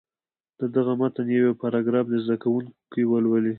د دغه متن یو یو پاراګراف دې زده کوونکي ولولي.